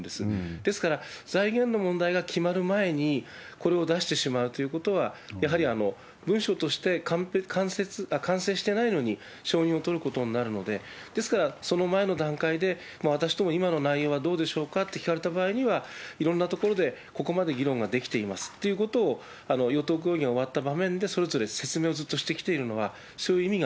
ですから、財源の問題が決まる前にこれを出してしまうということは、やはり文書として完成してないのに承認を取ることになるので、ですから、その前の段階で、私ども、今の内容はどうでしょうかって聞かれた場合には、いろんな所でここまで議論ができていますということを与党合議が終わった場面でそれぞれ説明をずっとしてきているのは、そういう。